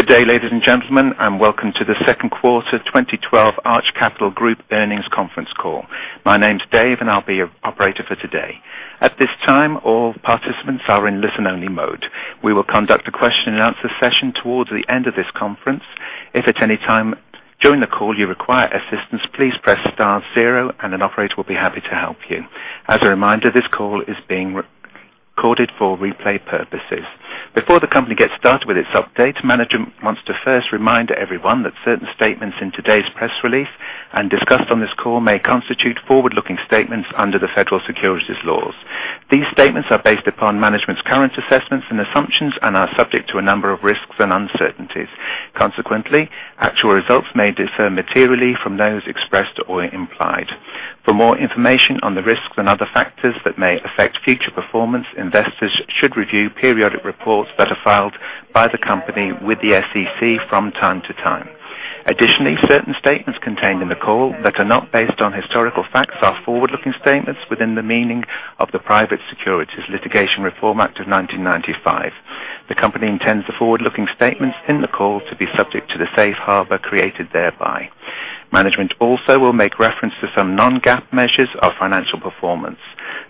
Good day, ladies and gentlemen, and welcome to the second quarter 2012 Arch Capital Group earnings conference call. My name's Dave, and I'll be your operator for today. At this time, all participants are in listen-only mode. We will conduct a question and answer session towards the end of this conference. If at any time during the call you require assistance, please press star zero and an operator will be happy to help you. As a reminder, this call is being recorded for replay purposes. Before the company gets started with its update, management wants to first remind everyone that certain statements in today's press release and discussed on this call may constitute forward-looking statements under the Federal Securities Laws. These statements are based upon management's current assessments and assumptions and are subject to a number of risks and uncertainties. Consequently, actual results may differ materially from those expressed or implied. For more information on the risks and other factors that may affect future performance, investors should review periodic reports that are filed by the company with the SEC from time to time. Additionally, certain statements contained in the call that are not based on historical facts are forward-looking statements within the meaning of the Private Securities Litigation Reform Act of 1995. The company intends the forward-looking statements in the call to be subject to the safe harbor created thereby. Management also will make reference to some non-GAAP measures of financial performance.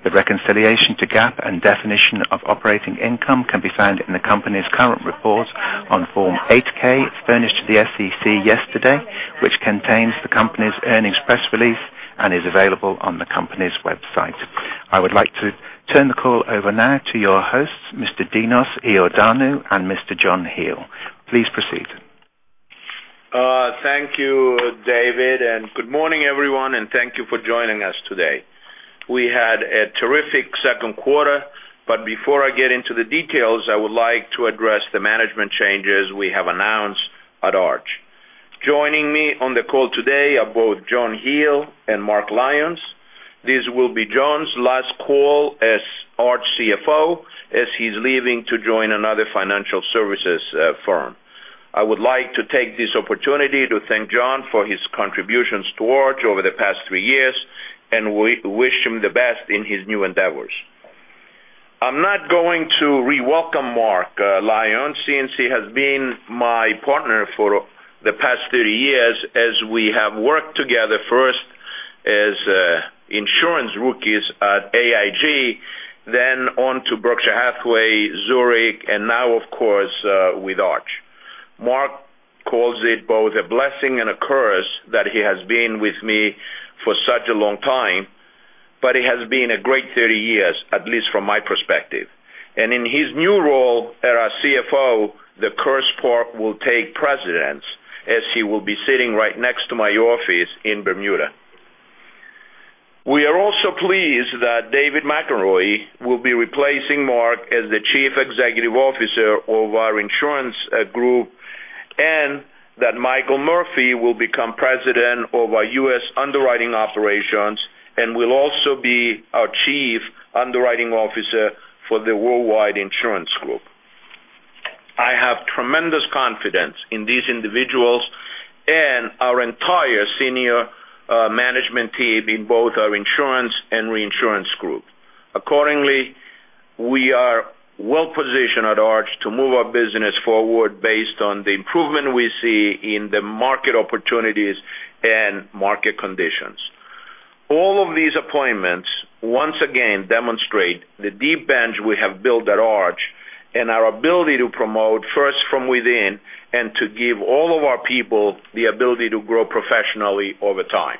The reconciliation to GAAP and definition of operating income can be found in the company's current report on Form 8-K furnished to the SEC yesterday, which contains the company's earnings press release and is available on the company's website. I would like to turn the call over now to your hosts, Mr. Dinos Iordanou and Mr. John Hele. Please proceed. Thank you, David. Good morning, everyone, and thank you for joining us today. We had a terrific second quarter. Before I get into the details, I would like to address the management changes we have announced at Arch. Joining me on the call today are both John Hele and Mark Lyons. This will be John's last call as Arch CFO, as he's leaving to join another financial services firm. I would like to take this opportunity to thank John for his contributions to Arch over the past three years. We wish him the best in his new endeavors. I'm not going to re-welcome Mark Lyons, since he has been my partner for the past 30 years as we have worked together, first as insurance rookies at AIG, then on to Berkshire Hathaway, Zurich, and now of course, with Arch. Mark calls it both a blessing and a curse that he has been with me for such a long time, it has been a great 30 years, at least from my perspective. In his new role as our CFO, the curse part will take precedence as he will be sitting right next to my office in Bermuda. We are also pleased that David McElroy will be replacing Mark as the Chief Executive Officer of our insurance group, and that Michael Murphy will become President of our U.S. underwriting operations and will also be our Chief Underwriting Officer for the Worldwide Insurance Group. I have tremendous confidence in these individuals and our entire senior management team in both our insurance and reinsurance group. Accordingly, we are well positioned at Arch to move our business forward based on the improvement we see in the market opportunities and market conditions. All of these appointments once again demonstrate the deep bench we have built at Arch and our ability to promote first from within and to give all of our people the ability to grow professionally over time.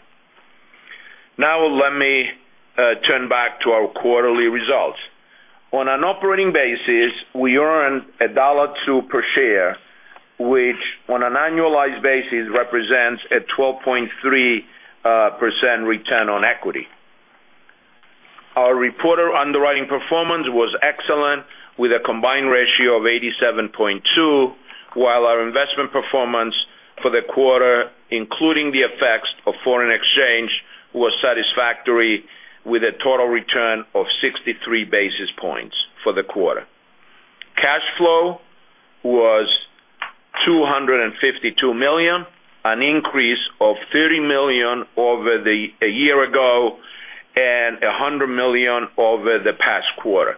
Let me turn back to our quarterly results. On an operating basis, we earned $1.02 per share, which on an annualized basis represents a 12.3% return on equity. Our reported underwriting performance was excellent with a combined ratio of 87.2, while our investment performance for the quarter, including the effects of foreign exchange, was satisfactory with a total return of 63 basis points for the quarter. Cash flow was $252 million, an increase of $30 million over a year ago and $100 million over the past quarter.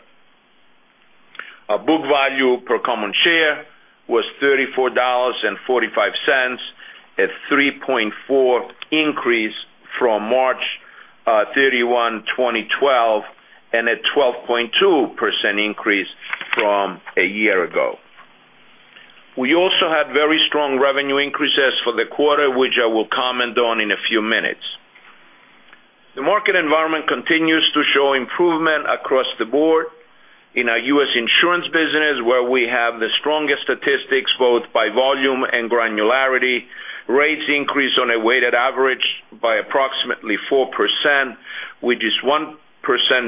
Our book value per common share was $34.45, a 3.4 increase from March 31, 2012, and a 12.2% increase from a year ago. We also had very strong revenue increases for the quarter, which I will comment on in a few minutes. The market environment continues to show improvement across the board in our U.S. insurance business, where we have the strongest statistics both by volume and granularity. Rates increase on a weighted average by approximately 4%, which is 1%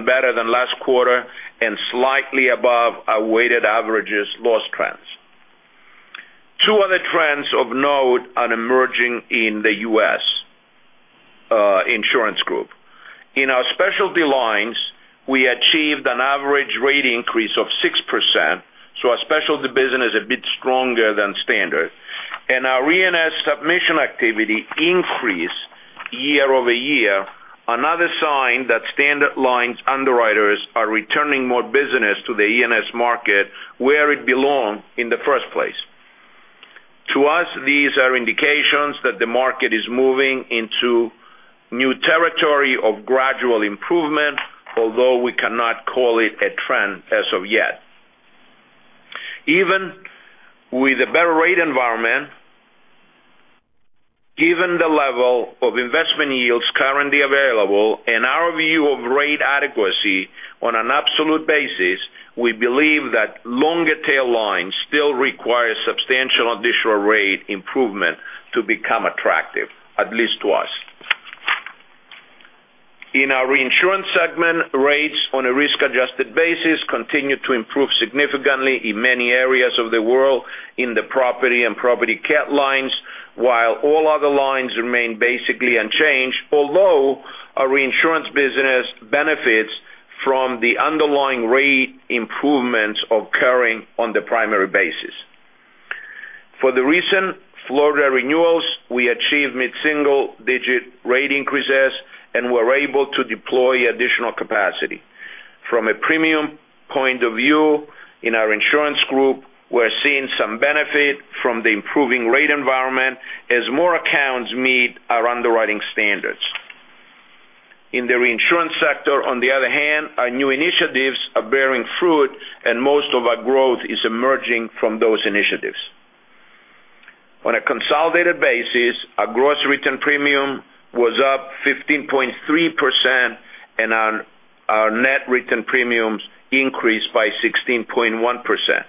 better than last quarter and slightly above our weighted averages loss trends. Two other trends of note are emerging in the U.S. insurance group. In our specialty lines, we achieved an average rate increase of 6%, our specialty business is a bit stronger than standard. Our E&S submission activity increased year-over-year, another sign that standard lines underwriters are returning more business to the E&S market where it belonged in the first place. To us, these are indications that the market is moving into new territory of gradual improvement, although we cannot call it a trend as of yet. Even with a better rate environment, given the level of investment yields currently available and our view of rate adequacy on an absolute basis, we believe that longer tail lines still require substantial additional rate improvement to become attractive, at least to us. In our reinsurance segment, rates on a risk-adjusted basis continued to improve significantly in many areas of the world in the property and property cat lines, while all other lines remain basically unchanged, although our reinsurance business benefits from the underlying rate improvements occurring on the primary basis. For the recent Florida renewals, we achieved mid-single-digit rate increases, and were able to deploy additional capacity. From a premium point of view in our insurance group, we are seeing some benefit from the improving rate environment as more accounts meet our underwriting standards. In the reinsurance sector, on the other hand, our new initiatives are bearing fruit and most of our growth is emerging from those initiatives. On a consolidated basis, our gross written premium was up 15.3%, and our net written premiums increased by 16.1%.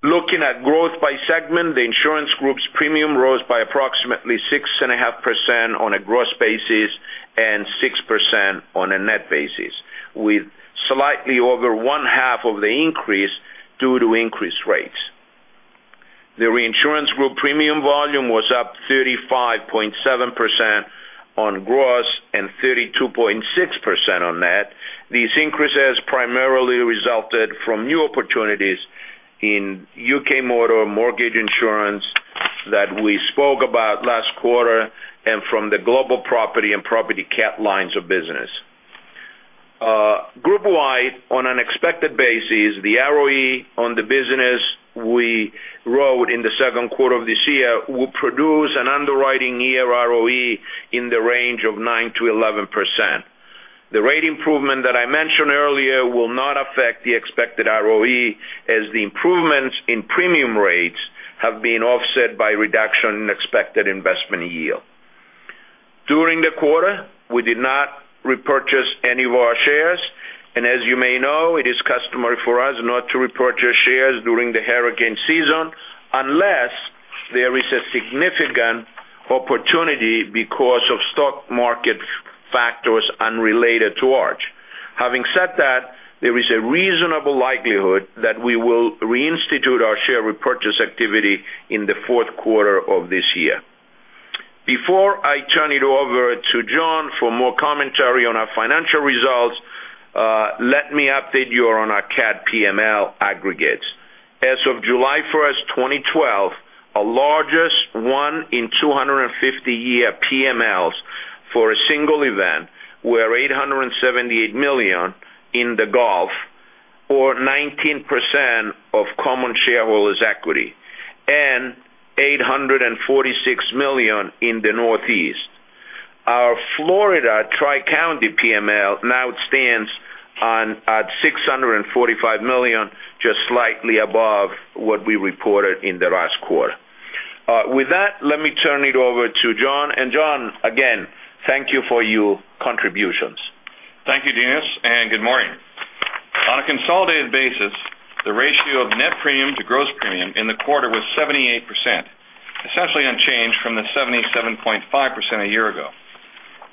Looking at growth by segment, the insurance group's premium rose by approximately 6.5% on a gross basis and 6% on a net basis, with slightly over one half of the increase due to increased rates. The reinsurance group premium volume was up 35.7% on gross and 32.6% on net. These increases primarily resulted from new opportunities in U.K. motor mortgage insurance that we spoke about last quarter and from the global property and property cat lines of business. Groupwide, on an expected basis, the ROE on the business we wrote in the second quarter of this year will produce an underwriting year ROE in the range of 9%-11%. The rate improvement that I mentioned earlier will not affect the expected ROE, as the improvements in premium rates have been offset by reduction in expected investment yield. During the quarter, we did not repurchase any of our shares. As you may know, it is customary for us not to repurchase shares during the hurricane season unless there is a significant opportunity because of stock market factors unrelated to Arch. Having said that, there is a reasonable likelihood that we will reinstitute our share repurchase activity in the fourth quarter of this year. Before I turn it over to John for more commentary on our financial results, let me update you on our cat PML aggregates. As of July 1st, 2012, our largest one in 250-year PMLs for a single event were $878 million in the Gulf, or 19% of common shareholders' equity, and $846 million in the Northeast. Our Florida Tri-County PML now stands at $645 million, just slightly above what we reported in the last quarter. With that, let me turn it over to John. John, again, thank you for your contributions. Thank you, Dinos, good morning. On a consolidated basis, the ratio of net premium to gross premium in the quarter was 78%, essentially unchanged from the 77.5% a year ago.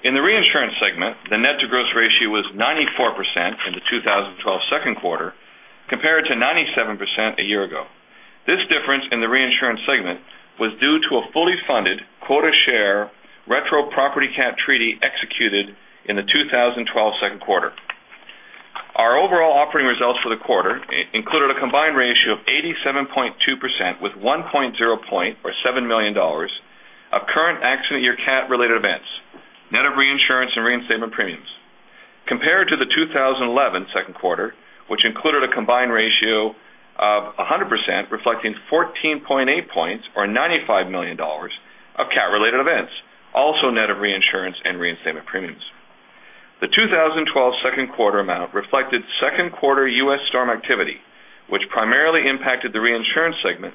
In the reinsurance segment, the net to gross ratio was 94% in the 2012 second quarter compared to 97% a year ago. This difference in the reinsurance segment was due to a fully funded quota share retro property cat treaty executed in the 2012 second quarter. Our overall operating results for the quarter included a combined ratio of 87.2% with 1.0 point, or $7 million, of current accident year cat-related events, net of reinsurance and reinstatement premiums. Compared to the 2011 second quarter, which included a combined ratio of 100% reflecting 14.8 points, or $95 million, of cat-related events, also net of reinsurance and reinstatement premiums. The 2012 second quarter amount reflected second quarter U.S. storm activity, which primarily impacted the reinsurance segment,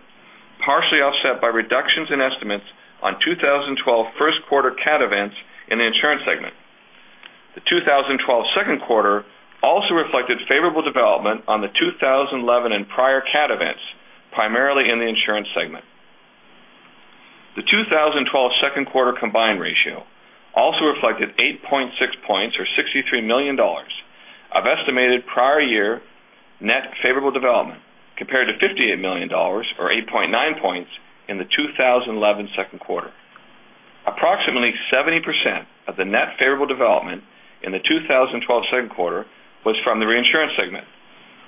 partially offset by reductions in estimates on 2012 first quarter cat events in the insurance segment. The 2012 second quarter also reflected favorable development on the 2011 and prior cat events, primarily in the insurance segment. The 2012 second quarter combined ratio also reflected 8.6 points, or $63 million, of estimated prior year net favorable development, compared to $58 million, or 8.9 points, in the 2011 second quarter. Approximately 70% of the net favorable development in the 2012 second quarter was from the reinsurance segment,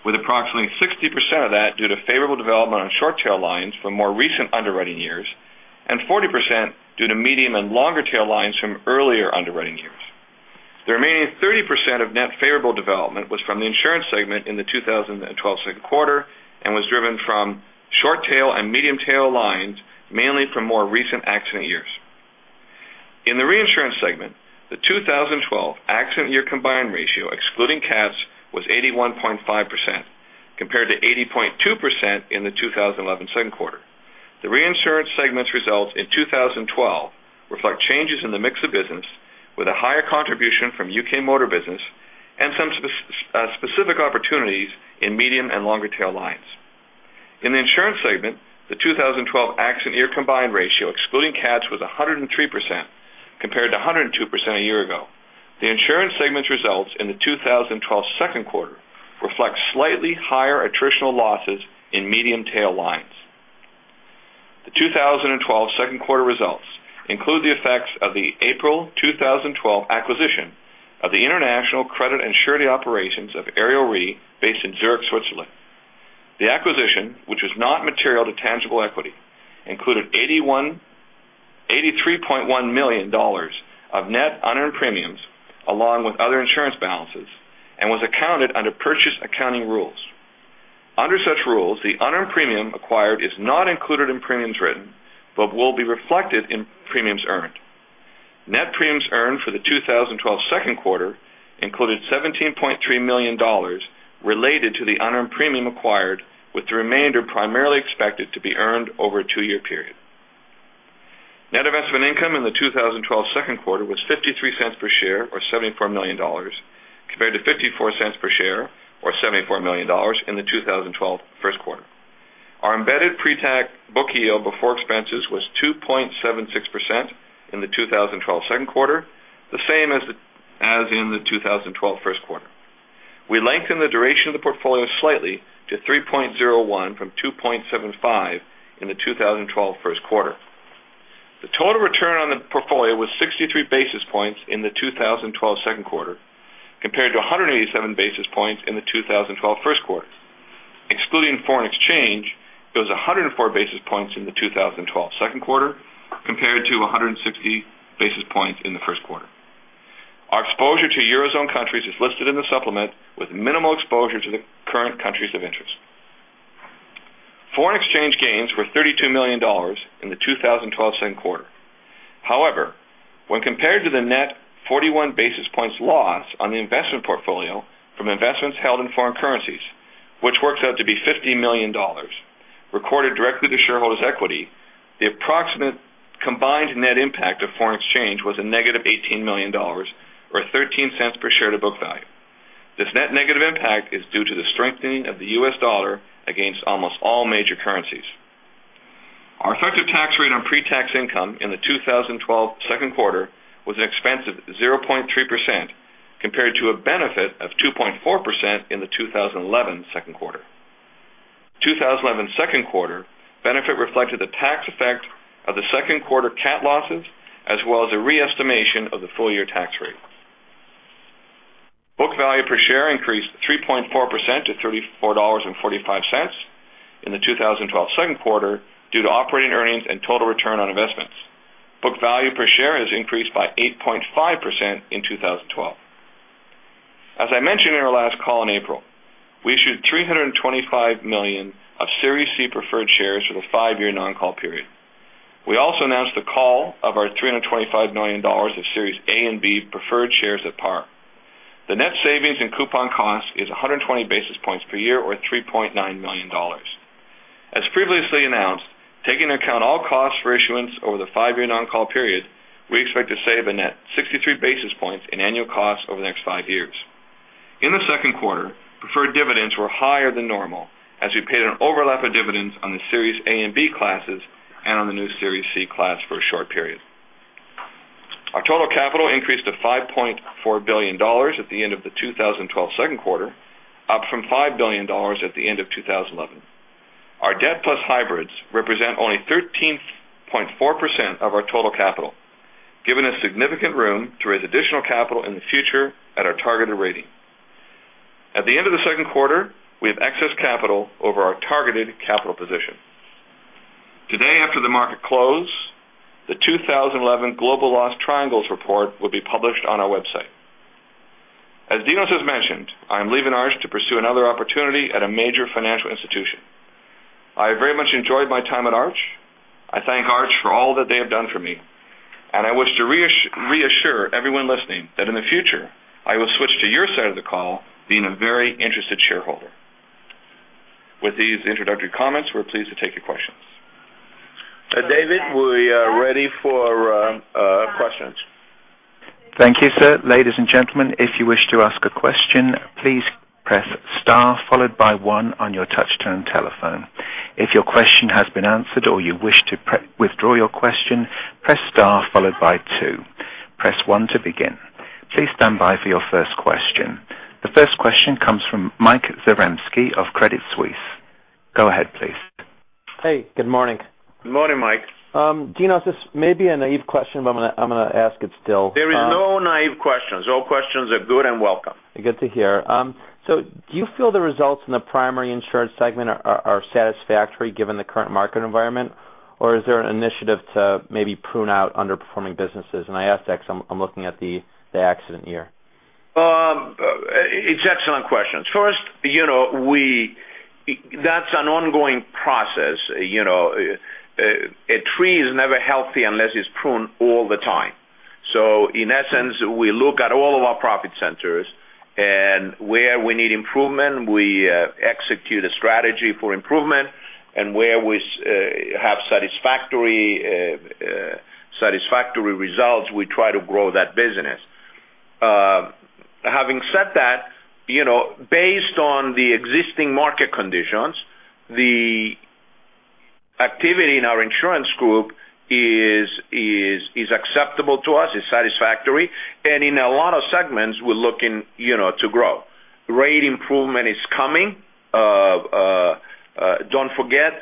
with approximately 60% of that due to favorable development on short tail lines from more recent underwriting years and 40% due to medium and longer tail lines from earlier underwriting years. The remaining 30% of net favorable development was from the insurance segment in the 2012 second quarter and was driven from short tail and medium tail lines, mainly from more recent accident years. In the reinsurance segment, the 2012 accident year combined ratio, excluding cats, was 81.5%, compared to 80.2% in the 2011 second quarter. The reinsurance segment's results in 2012 reflect changes in the mix of business with a higher contribution from U.K. motor business and some specific opportunities in medium and longer tail lines. In the insurance segment, the 2012 accident year combined ratio, excluding cats, was 103%, compared to 102% a year ago. The insurance segment's results in the 2012 second quarter reflect slightly higher attritional losses in medium tail lines. The 2012 second quarter results include the effects of the April 2012 acquisition of the international credit and surety operations of Ariel Re, based in Zurich, Switzerland. The acquisition, which was not material to tangible equity, included $83.1 million of net unearned premiums, along with other insurance balances, and was accounted under purchase accounting rules. Under such rules, the unearned premium acquired is not included in premiums written but will be reflected in premiums earned. Net premiums earned for the 2012 second quarter included $17.3 million related to the unearned premium acquired, with the remainder primarily expected to be earned over a two-year period. Net investment income in the 2012 second quarter was $0.53 per share, or $74 million, compared to $0.54 per share, or $74 million in the 2012 first quarter. Our embedded pre-tax book yield before expenses was 2.76% in the 2012 second quarter, the same as in the 2012 first quarter. We lengthened the duration of the portfolio slightly to 3.01 from 2.75 in the 2012 first quarter. The total return on the portfolio was 63 basis points in the 2012 second quarter, compared to 187 basis points in the 2012 first quarter. Excluding foreign exchange, it was 104 basis points in the 2012 second quarter, compared to 160 basis points in the first quarter. Our exposure to eurozone countries is listed in the supplement, with minimal exposure to the current countries of interest. Foreign exchange gains were $32 million in the 2012 second quarter. When compared to the net 41 basis points loss on the investment portfolio from investments held in foreign currencies, which works out to be $50 million, recorded directly to shareholders' equity, the approximate combined net impact of foreign exchange was a negative $18 million, or $0.13 per share to book value. This net negative impact is due to the strengthening of the U.S. dollar against almost all major currencies. Our effective tax rate on pre-tax income in the 2012 second quarter was an expense of 0.3%, compared to a benefit of 2.4% in the 2011 second quarter. 2011 second quarter benefit reflected the tax effect of the second quarter cat losses, as well as a re-estimation of the full-year tax rate. Book value per share increased 3.4% to $34.45 in the 2012 second quarter due to operating earnings and total return on investments. Book value per share has increased by 8.5% in 2012. As I mentioned in our last call in April, we issued $325 million of Series C preferred shares with a five-year non-call period. We also announced a call of our $325 million of Series A and B preferred shares at par. The net savings and coupon cost is 120 basis points per year, or $3.9 million. As previously announced, taking into account all costs for issuance over the five-year non-call period, we expect to save a net 63 basis points in annual cost over the next five years. In the second quarter, preferred dividends were higher than normal as we paid an overlap of dividends on the Series A and B classes and on the new Series C class for a short period. Our total capital increased to $5.4 billion at the end of the 2012 second quarter, up from $5 billion at the end of 2011. Our debt plus hybrids represent only 13.4% of our total capital, giving us significant room to raise additional capital in the future at our targeted rating. At the end of the second quarter, we have excess capital over our targeted capital position. Today, after the market close, the 2011 Global Loss Triangles report will be published on our website. As Dinos has mentioned, I am leaving Arch to pursue another opportunity at a major financial institution. I very much enjoyed my time at Arch. I thank Arch for all that they have done for me, and I wish to reassure everyone listening that in the future I will switch to your side of the call being a very interested shareholder. With these introductory comments, we're pleased to take your questions. David, we are ready for questions. Thank you, sir. Ladies and gentlemen, if you wish to ask a question, please press star followed by one on your touch-tone telephone. If your question has been answered or you wish to withdraw your question, press star followed by two. Press one to begin. Please stand by for your first question. The first question comes from Michael Zaremski of Credit Suisse. Go ahead, please. Hey, good morning. Good morning, Mike. Dinos, this may be a naive question, but I'm going to ask it still. There is no naive questions. All questions are good and welcome. Good to hear. Do you feel the results in the primary insurance segment are satisfactory given the current market environment? Or is there an initiative to maybe prune out underperforming businesses? I ask that because I'm looking at the accident year. It's excellent questions. First, that's an ongoing process. A tree is never healthy unless it's pruned all the time. In essence, we look at all of our profit centers, and where we need improvement, we execute a strategy for improvement, and where we have satisfactory results, we try to grow that business. Having said that, based on the existing market conditions, the activity in our insurance group is acceptable to us, it's satisfactory. In a lot of segments, we're looking to grow. Rate improvement is coming. Don't forget,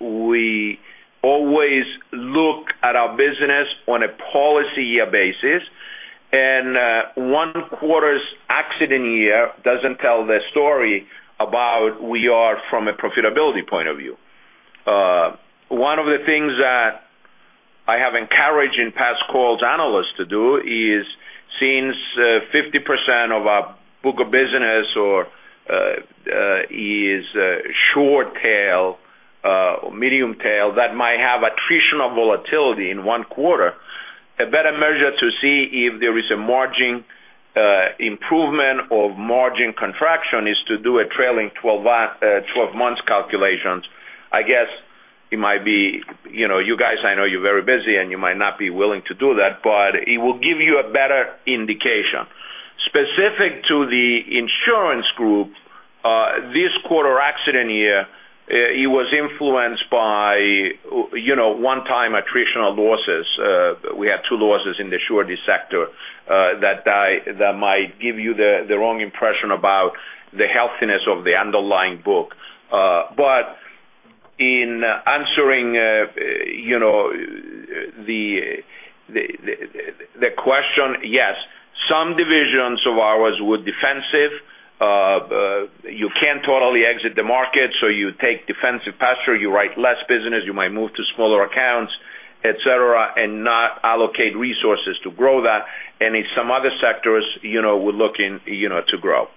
we always look at our business on a policy year basis, and one quarter's accident year doesn't tell the story about where we are from a profitability point of view. One of the things that I have encouraged in past calls analysts to do is, since 50% of our book of business is short tail or medium tail, that might have attritional volatility in one quarter. A better measure to see if there is a margin improvement or margin contraction is to do a trailing 12 months calculations. I guess it might be you guys, I know you're very busy, and you might not be willing to do that, but it will give you a better indication. Specific to the Insurance Group, this quarter accident year, it was influenced by one-time attritional losses. We had two losses in the surety sector, that might give you the wrong impression about the healthiness of the underlying book. In answering the question, yes, some divisions of ours were defensive. You can't totally exit the market, you take defensive posture, you write less business, you might move to smaller accounts, et cetera, and not allocate resources to grow that. In some other sectors, we're looking to grow. Okay.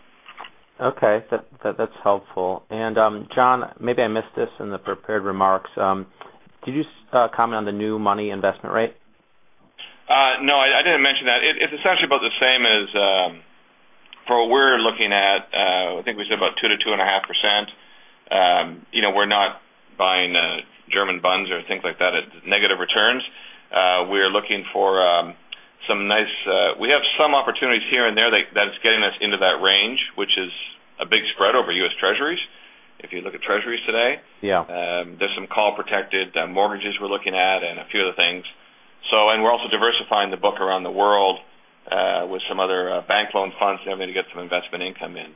That's helpful. John, maybe I missed this in the prepared remarks. Could you comment on the new money investment rate? No, I didn't mention that. It's essentially about the same as for what we're looking at. I think we said about 2%-2.5%. We're not buying German bunds or things like that at negative returns. We have some opportunities here and there that is getting us into that range, which is a big spread over U.S. Treasuries. If you look at Treasuries today. Yeah. There's some call protected mortgages we're looking at and a few other things. We're also diversifying the book around the world with some other bank loan funds to get some investment income in.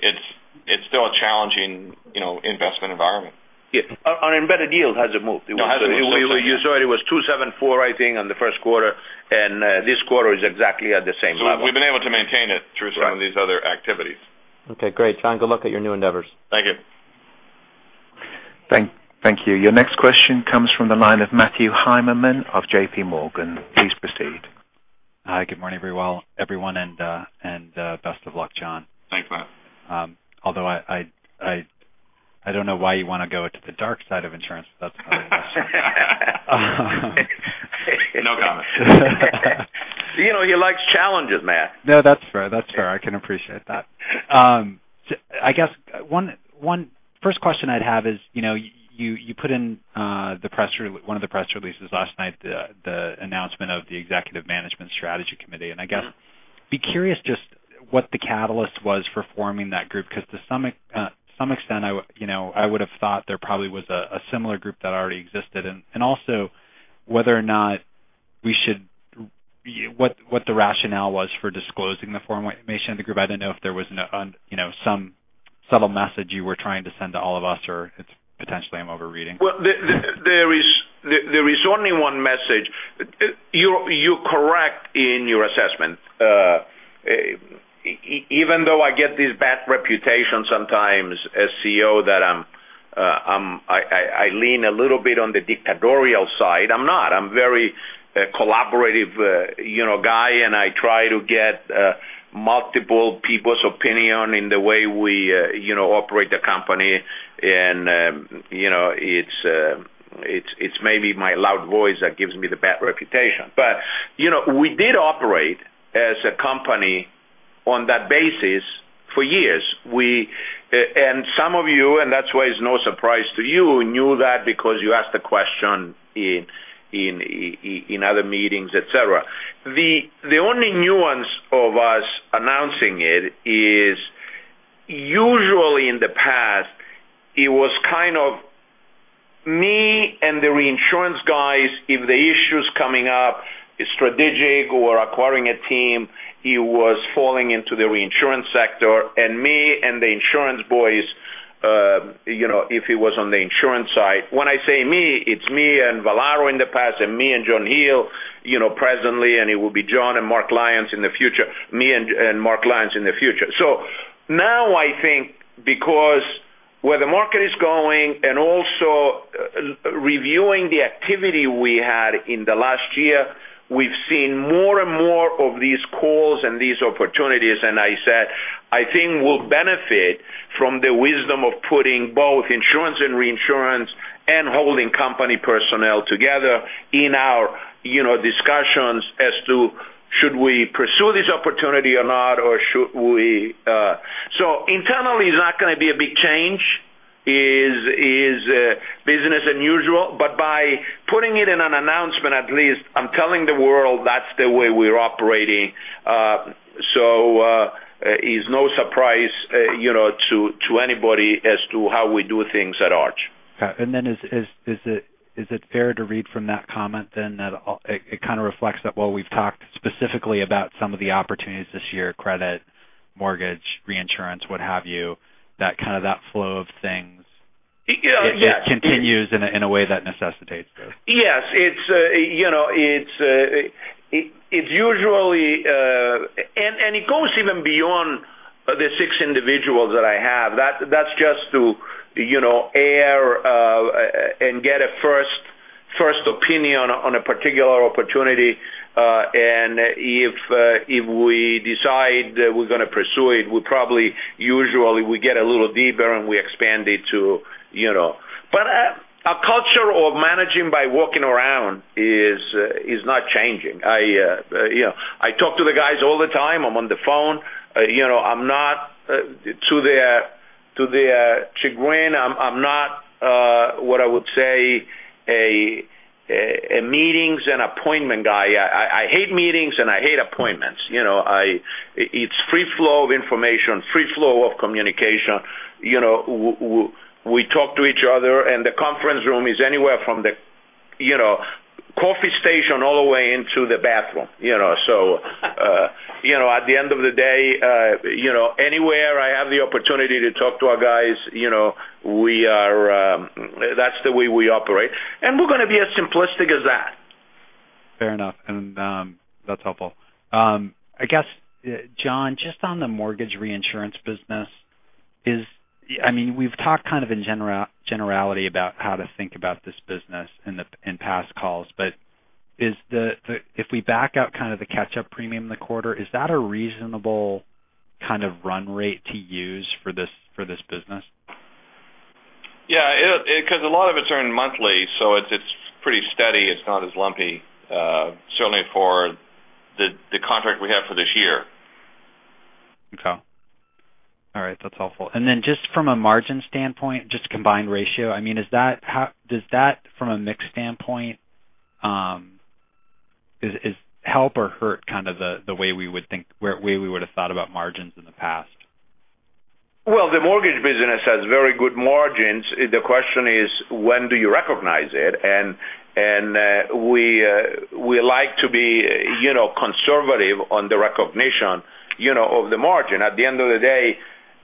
It's still a challenging investment environment. Yeah. Our embedded yield hasn't moved. No, it hasn't moved. You saw it was 274, I think, on the first quarter. This quarter is exactly at the same level. We've been able to maintain it through some of these other activities. Okay, great. John, good luck at your new endeavors. Thank you. Thank you. Your next question comes from the line of Matthew Heimermann of J.P. Morgan. Please proceed. Hi. Good morning, everyone, and best of luck, John. Thanks, Matt. I don't know why you want to go to the dark side of insurance, but that's another question. No comment. He likes challenges, Matt. That's fair. I can appreciate that. I guess, first question I'd have is, you put in one of the press releases last night, the announcement of the Executive Management Strategy Committee, and I guess be curious just what the catalyst was for forming that group, because to some extent, I would have thought there probably was a similar group that already existed. Also whether or not what the rationale was for disclosing the formation of the group. I didn't know if there was some subtle message you were trying to send to all of us, or it's potentially I'm overreading. Well, there is only one message. You're correct in your assessment. Even though I get this bad reputation sometimes as CEO that I lean a little bit on the dictatorial side, I'm not. I'm very collaborative guy, I try to get multiple people's opinion in the way we operate the company, and it's maybe my loud voice that gives me the bad reputation. We did operate as a company on that basis for years. Some of you, and that's why it's no surprise to you, knew that because you asked the question in other meetings, et cetera. The only nuance of us announcing it is usually in the past, it was kind of And the reinsurance guys, if the issue's coming up, strategic or acquiring a team, he was falling into the reinsurance sector, and me and the insurance boys, if he was on the insurance side. When I say me, it's me and Vallaro in the past, and me and John Hele presently, and it will be John and Mark Lyons in the future. Now I think because where the market is going and also reviewing the activity we had in the last year, we've seen more and more of these calls and these opportunities, and I said, I think we'll benefit from the wisdom of putting both insurance and reinsurance and holding company personnel together in our discussions as to should we pursue this opportunity or not. Internally, it's not going to be a big change. It is business as usual. By putting it in an announcement, at least I'm telling the world that's the way we're operating. It's no surprise to anybody as to how we do things at Arch. Then is it fair to read from that comment then that it kind of reflects that while we've talked specifically about some of the opportunities this year, credit, mortgage, reinsurance, what have you, that kind of that flow of things- Yeah it continues in a way that necessitates this. Yes. It goes even beyond the six individuals that I have. That's just to air and get a first opinion on a particular opportunity. If we decide that we're going to pursue it, usually we get a little deeper, and we expand it. Our culture of managing by walking around is not changing. I talk to the guys all the time. I'm on the phone. To grin, I'm not, what I would say, a meetings and appointment guy. I hate meetings, and I hate appointments. It's free flow of information, free flow of communication. We talk to each other, and the conference room is anywhere from the coffee station all the way into the bathroom. At the end of the day, anywhere I have the opportunity to talk to our guys, that's the way we operate, and we're going to be as simplistic as that. Fair enough. That's helpful. I guess, John, just on the mortgage reinsurance business, we've talked kind of in generality about how to think about this business in past calls. If we back out kind of the catch-up premium in the quarter, is that a reasonable kind of run rate to use for this business? Yeah, because a lot of it's earned monthly, so it's pretty steady. It's not as lumpy, certainly for the contract we have for this year. Okay. All right. That's helpful. Just from a margin standpoint, just combined ratio, does that from a mix standpoint help or hurt kind of the way we would've thought about margins in the past? Well, the mortgage business has very good margins. The question is, when do you recognize it? We like to be conservative on the recognition of the margin. At the end of the day,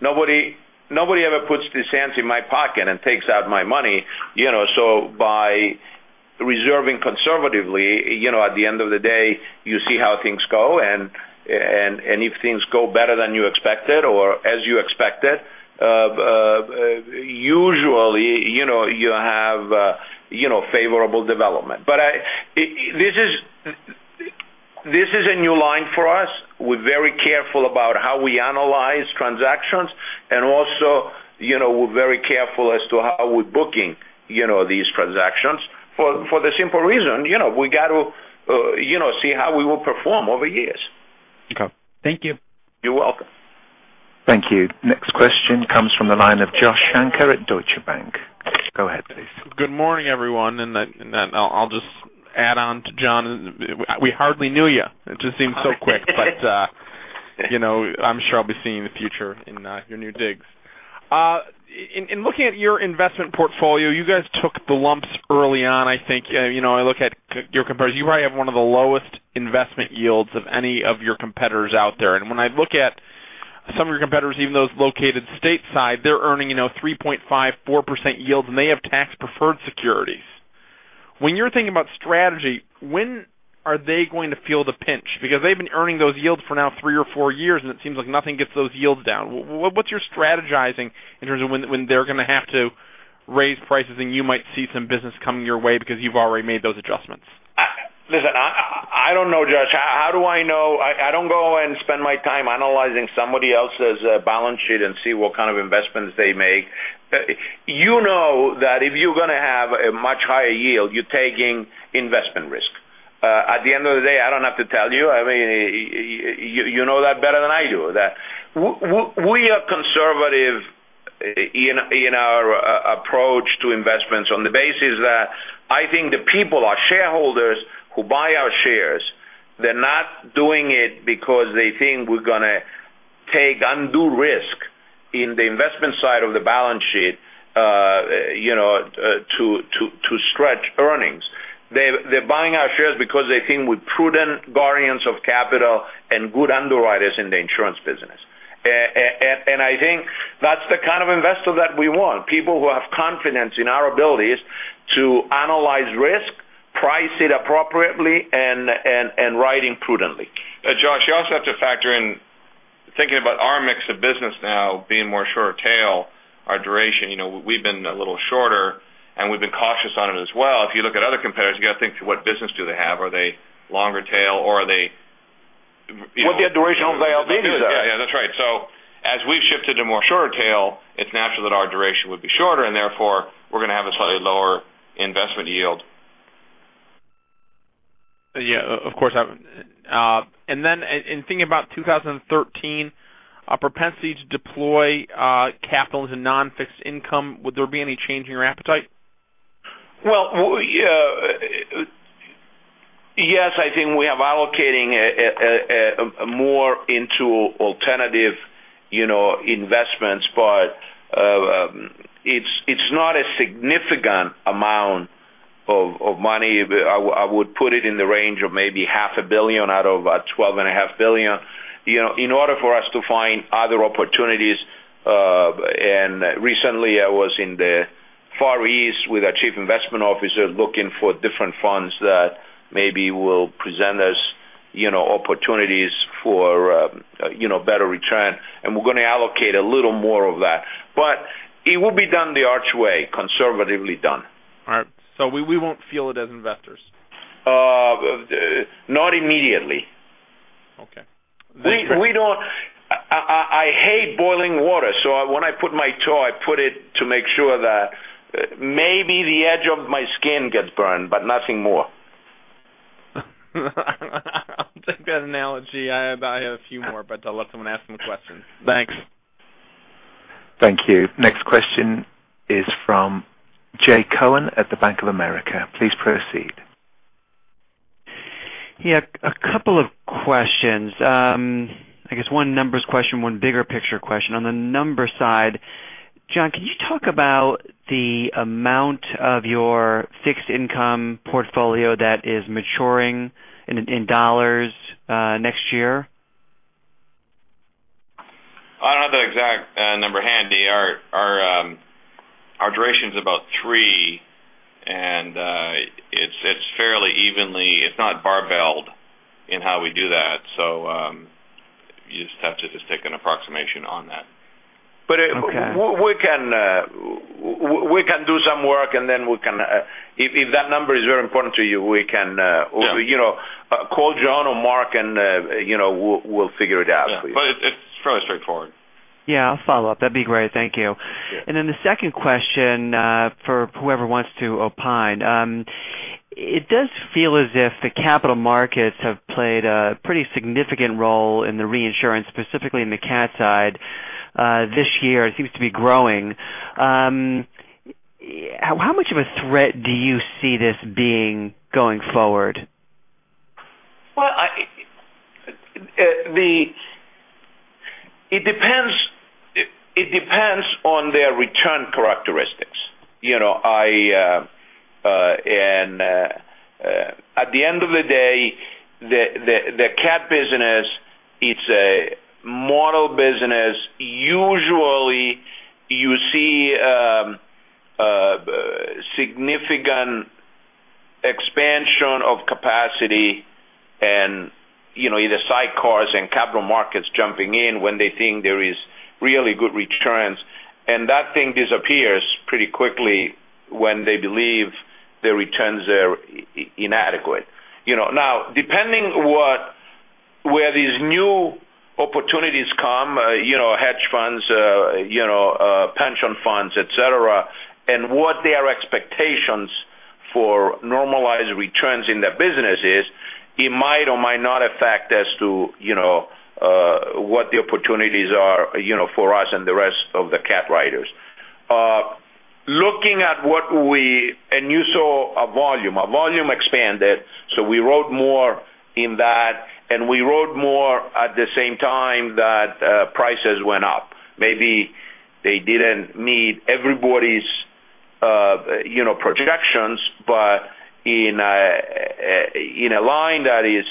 nobody ever puts his hands in my pocket and takes out my money. By reserving conservatively, at the end of the day, you see how things go, and if things go better than you expected or as you expected, usually you have favorable development. This is a new line for us. We're very careful about how we analyze transactions, and also, we're very careful as to how we're booking these transactions, for the simple reason, we got to see how we will perform over years. Okay. Thank you. You're welcome. Thank you. Next question comes from the line of Joshua Shanker at Deutsche Bank. Go ahead, please. Good morning, everyone. I'll just add on to John. We hardly knew you. It just seems so quick. I'm sure I'll be seeing you in the future in your new digs. In looking at your investment portfolio, you guys took the lumps early on, I think. I look at your comparison. You probably have one of the lowest investment yields of any of your competitors out there. When I look at some of your competitors, even those located stateside, they're earning 3.5%, 4% yields, and they have tax-preferred securities. When you're thinking about strategy, when are they going to feel the pinch? Because they've been earning those yields for now three or four years, and it seems like nothing gets those yields down. What's your strategizing in terms of when they're going to have to raise prices and you might see some business coming your way because you've already made those adjustments? Listen, I don't know, Josh. How do I know? I don't go and spend my time analyzing somebody else's balance sheet and see what kind of investments they make. You know that if you're going to have a much higher yield, you're taking investment risk. At the end of the day, I don't have to tell you. You know that better than I do. We are conservative in our approach to investments on the basis that I think the people, our shareholders who buy our shares, they're not doing it because they think we're going to take undue risk in the investment side of the balance sheet to stretch earnings. They're buying our shares because they think we're prudent guardians of capital and good underwriters in the insurance business. I think that's the kind of investor that we want, people who have confidence in our abilities to analyze risk, price it appropriately, and ride it prudently. Josh, you also have to factor in thinking about our mix of business now being more shorter tail, our duration. We've been a little shorter, and we've been cautious on it as well. If you look at other competitors, you got to think through what business do they have? Are they longer tail or are they- Look at duration of their business. That's right. As we've shifted to more shorter tail, it's natural that our duration would be shorter, and therefore, we're going to have a slightly lower investment yield. Yeah, of course. In thinking about 2013, a propensity to deploy capital into non-fixed income, would there be any change in your appetite? Well, yes, I think we are allocating more into alternative investments, but it's not a significant amount of money. I would put it in the range of maybe $0.5 billion out of $12.5 billion in order for us to find other opportunities. Recently, I was in the Far East with our Chief Investment Officer, looking for different funds that maybe will present us opportunities for better return, and we're going to allocate a little more of that. It will be done the Arch way, conservatively done. All right. We won't feel it as investors. Not immediately. Okay. I hate boiling water. When I put my toe, I put it to make sure that maybe the edge of my skin gets burned, nothing more. I'll take that analogy. I have a few more. I'll let someone ask him a question. Thanks. Thank you. Next question is from Jay Cohen at the Bank of America. Please proceed. Yeah, a couple of questions. I guess one numbers question, one bigger picture question. On the numbers side, John, can you talk about the amount of your fixed income portfolio that is maturing in dollars next year? I don't have the exact number handy. Our duration is about three, and it's fairly evenly. It's not barbelled in how we do that. You just have to take an approximation on that. Okay. We can do some work. If that number is very important to you, we can. Yeah. Call John or Mark, we'll figure it out for you. Yeah. It's fairly straightforward. Yeah, I'll follow up. That'd be great. Thank you. Yeah. Then the second question for whoever wants to opine. It does feel as if the capital markets have played a pretty significant role in the reinsurance, specifically in the cat side. This year, it seems to be growing. How much of a threat do you see this being going forward? Well, it depends on their return characteristics. At the end of the day, the cat business, it's a model business. Usually, you see significant expansion of capacity and either side cars and capital markets jumping in when they think there is really good returns. That thing disappears pretty quickly when they believe the returns are inadequate. Depending where these new opportunities come, hedge funds, pension funds, et cetera, and what their expectations for normalized returns in their business is, it might or might not affect as to what the opportunities are for us and the rest of the cat writers. Looking at what we--. You saw a volume. Our volume expanded. We wrote more in that. We wrote more at the same time that prices went up. Maybe they didn't meet everybody's projections, but in a line that is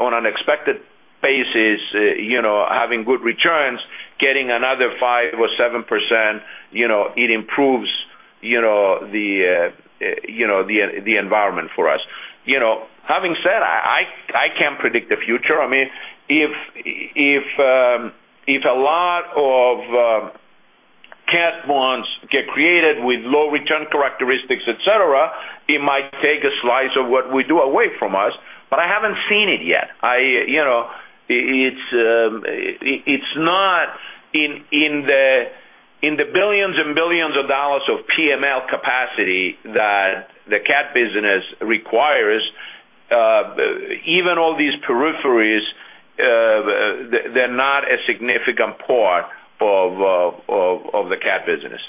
on an expected basis having good returns, getting another 5% or 7%, it improves the environment for us. Having said, I can't predict the future. If a lot of cat bonds get created with low return characteristics, et cetera, it might take a slice of what we do away from us, but I haven't seen it yet. It's not in the billions and billions of dollars of PML capacity that the cat business requires even all these peripheries, they're not a significant part of the cat business.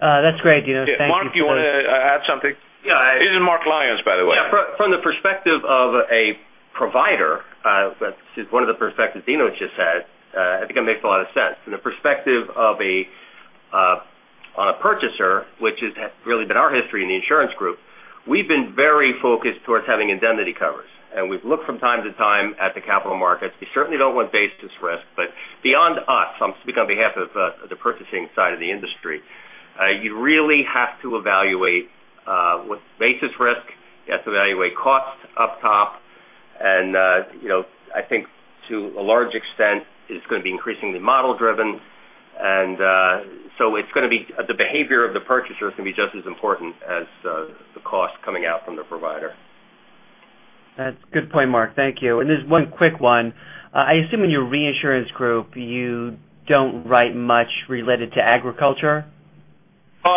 That's great, Dinos. Thank you. Mark, you want to add something? Yeah. This is Mark Lyons, by the way. Yeah. From the perspective of a provider, this is one of the perspectives Dinos just said, I think it makes a lot of sense. From the perspective on a purchaser, which has really been our history in the Arch Worldwide Insurance Group, we've been very focused towards having indemnity covers. We've looked from time to time at the capital markets. We certainly don't want basis risk, but beyond us, I'm speaking on behalf of the purchasing side of the industry, you really have to evaluate what's basis risk. You have to evaluate cost up top and I think to a large extent, it's going to be increasingly model-driven. So the behavior of the purchaser is going to be just as important as the cost coming out from the provider. That's a good point, Mark. Thank you. Just one quick one. I assume in your Arch Worldwide Reinsurance and Mortgage Groups, you don't write much related to agriculture? We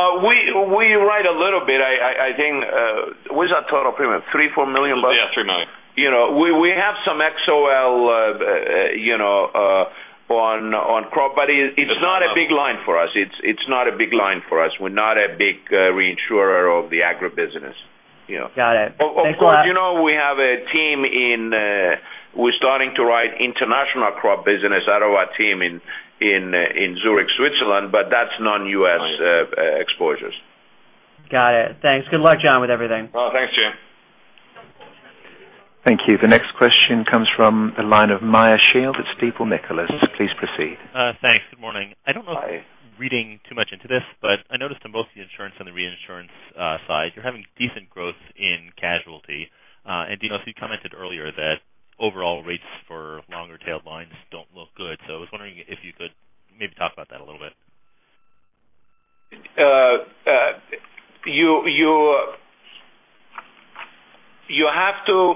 write a little bit. What's our total premium, $3 million, $4 million? Yeah, $3 million. We have some XOL on crop, but it's not a big line for us. We're not a big reinsurer of the agribusiness. Got it. Thanks a lot. Of course, we have a team and we're starting to write international crop business out of our team in Zurich, Switzerland, but that's non-U.S. exposures. Got it. Thanks. Good luck, John, with everything. Thanks, Jay. Thank you. The next question comes from the line of Meyer Shields at Stifel Nicolaus. Please proceed. Thanks. Good morning. Hi. I don't know if I'm reading too much into this, but I noticed on both the insurance and the reinsurance side, you're having decent growth in casualty. Dinos, you commented earlier that overall rates for longer-tailed lines don't look good. I was wondering if you could maybe talk about that a little bit. You have to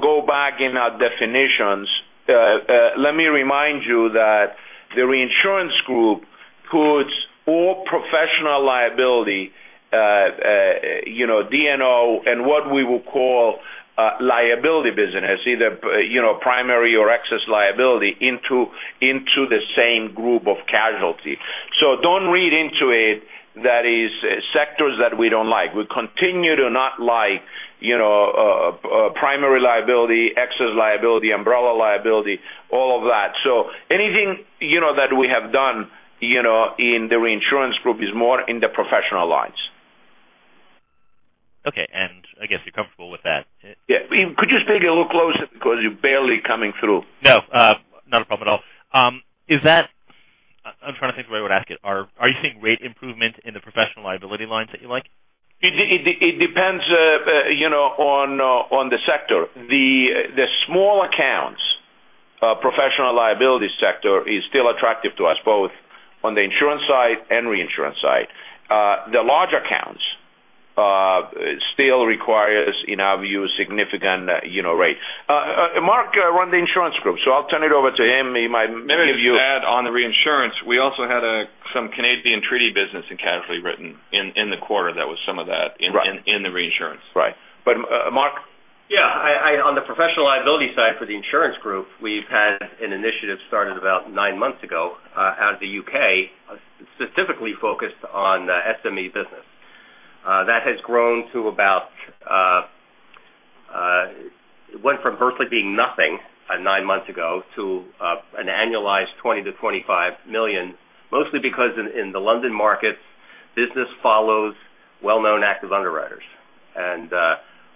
go back in our definitions. Let me remind you that the reinsurance group puts all professional liability, D&O, and what we would call liability business, either primary or excess liability into the same group of casualty. Don't read into it, that is sectors that we don't like. We continue to not like primary liability, excess liability, umbrella liability, all of that. Anything that we have done in the reinsurance group is more in the professional lines. Okay. I guess you're comfortable with that. Yeah. Could you speak a little closer because you're barely coming through? No, not a problem at all. I'm trying to think of the way to ask it. Are you seeing rate improvement in the professional liability lines that you like? It depends on the sector. The small accounts professional liability sector is still attractive to us, both on the insurance side and reinsurance side. The large accounts still requires, in our view, a significant rate. Mark run the insurance group, I'll turn it over to him. He might give you- Let me just add on the reinsurance. We also had some Canadian treaty business in casualty written in the quarter. That was some of that in the reinsurance. Right. Mark? Yeah. On the professional liability side for the insurance group, we've had an initiative started about nine months ago out of the U.K., specifically focused on SME business. It went from virtually being nothing nine months ago to an annualized $20 million-$25 million, mostly because in the London markets, business follows well-known active underwriters.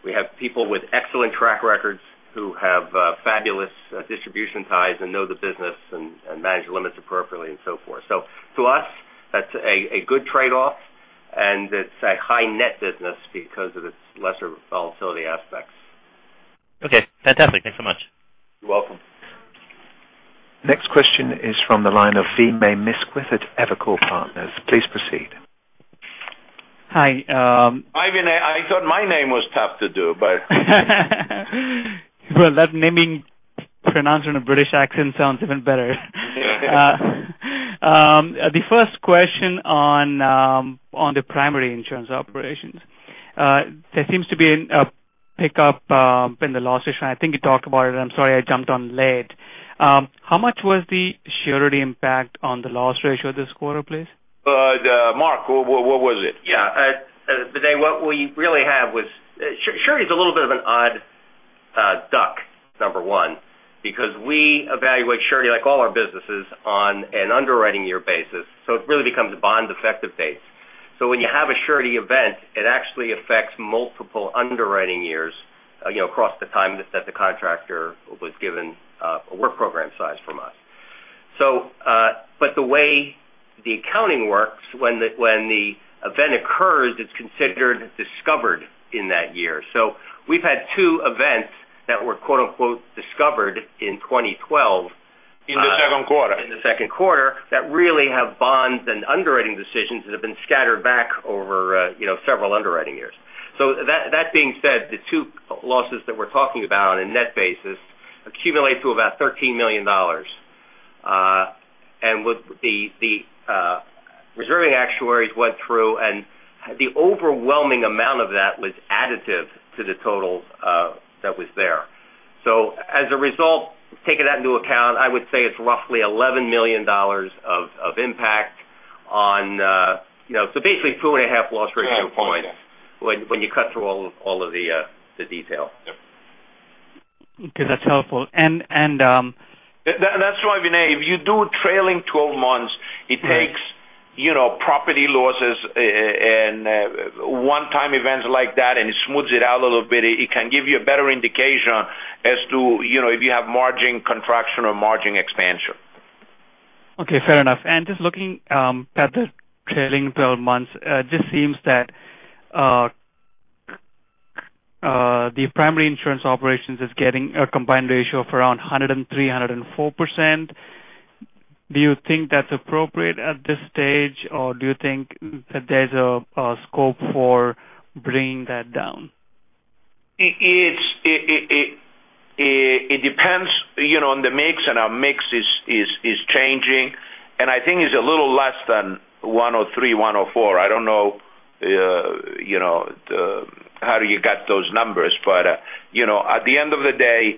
We have people with excellent track records who have fabulous distribution ties and know the business and manage the limits appropriately and so forth. To us, that's a good trade-off and it's a high net business because of its lesser volatility aspects. Okay. Fantastic. Thanks so much. You're welcome. Next question is from the line of Vinay Misquith at Evercore Partners. Please proceed. Hi. Vinay, I thought my name was tough to do, but Well, that naming pronouncing a British accent sounds even better. Yeah. The first question on the primary insurance operations. There seems to be a pickup in the loss ratio. I think you talked about it. I'm sorry I jumped on late. How much was the surety impact on the loss ratio this quarter, please? Mark, what was it? Yeah. Vinay, what we really have was, surety is a little bit of an odd duck, number one, because we evaluate surety like all our businesses on an underwriting year basis. It really becomes a bond effective date. When you have a surety event, it actually affects multiple underwriting years across the time that the contractor was given a work program size from us. The way the accounting works when the event occurs, it's considered discovered in that year. We've had two events that were "discovered" in 2012. In the second quarter. In the second quarter, that really have losses and underwriting decisions that have been scattered back over several underwriting years. That being said, the two losses that we're talking about on a net basis accumulate to about $13 million. The reserving actuaries went through and the overwhelming amount of that was additive to the totals that was there. As a result, taking that into account, I would say it's roughly $11 million of impact on basically two and a half loss ratio points when you cut through all of the detail. Yep. Okay. That's helpful. That's right, Vinay. If you do trailing 12 months, it takes property losses and one-time events like that, and it smooths it out a little bit. It can give you a better indication as to if you have margin contraction or margin expansion. Okay. Fair enough. Just looking at the trailing 12 months, just seems that the primary insurance operations is getting a combined ratio of around 103%, 104%. Do you think that's appropriate at this stage, or do you think that there's a scope for bringing that down? It depends on the mix. Our mix is changing. I think it's a little less than 103%, 104%. I don't know how you got those numbers, at the end of the day,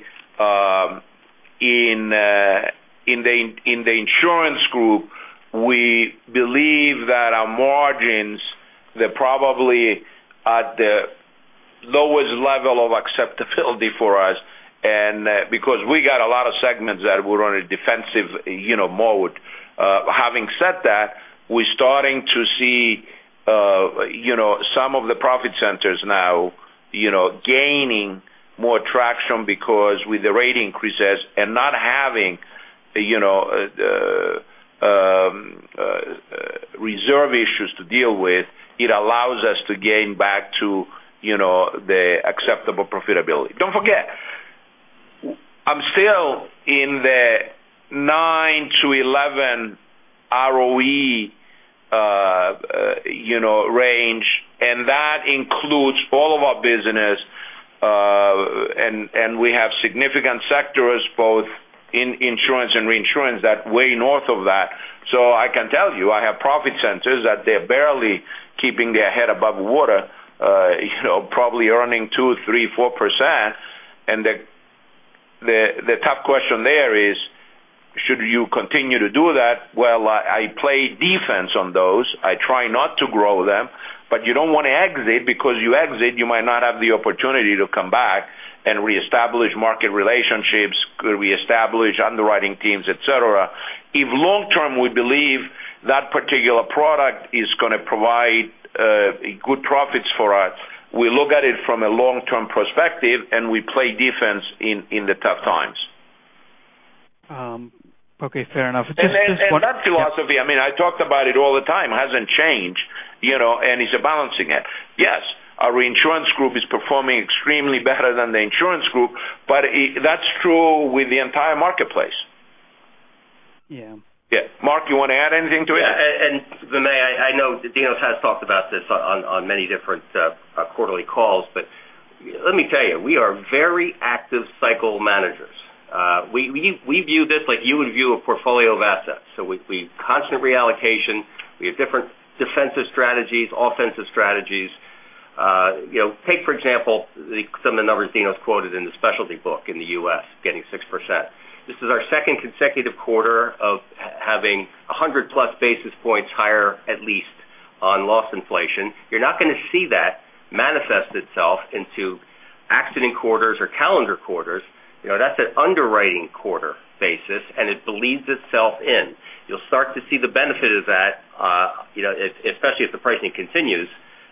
in the insurance group, we believe that our margins, they're probably at the lowest level of acceptability for us because we got a lot of segments that were on a defensive mode. Having said that, we're starting to see some of the profit centers now gaining more traction because with the rate increases and not having reserve issues to deal with, it allows us to gain back to the acceptable profitability. Don't forget, I'm still in the 9 to 11 ROE range, and that includes all of our business. We have significant sectors both in insurance and reinsurance that way north of that. I can tell you, I have profit centers that they're barely keeping their head above water, probably earning 2%, 3%, 4%. The tough question there is: should you continue to do that? Well, I play defense on those. I try not to grow them, you don't want to exit because you exit, you might not have the opportunity to come back and reestablish market relationships, reestablish underwriting teams, et cetera. If long term, we believe that particular product is going to provide good profits for us, we look at it from a long-term perspective, we play defense in the tough times. Okay. Fair enough. That philosophy, I talked about it all the time, hasn't changed, and it's a balancing act. Yes, our reinsurance group is performing extremely better than the insurance group, that's true with the entire marketplace. Yeah. Mark, you want to add anything to it? Vinay, I know Dinos has talked about this on many different quarterly calls, let me tell you, we are very active cycle managers. We view this like you would view a portfolio of assets. We constant reallocation, we have different defensive strategies, offensive strategies. Take for example, some of the numbers Dinos quoted in the specialty book in the U.S. getting 6%. This is our second consecutive quarter of having 100-plus basis points higher, at least, on loss inflation. You're not going to see that manifest itself into accident quarters or calendar quarters. That's an underwriting quarter basis, it bleeds itself in. You'll start to see the benefit of that especially if the pricing continues